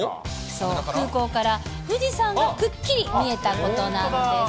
そう、空港から富士山がくっきり見えたことなんです。